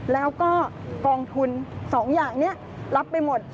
แล้วก็กองทุน๒อย่างนี้รับไปหมด